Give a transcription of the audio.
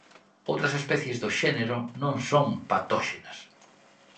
Outras especies do xénero non son patóxenas.